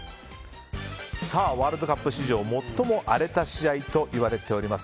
ワールドカップ史上最も荒れた試合といわれております